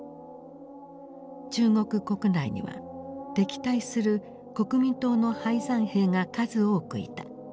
中国国内には敵対する国民党の敗残兵が数多くいた。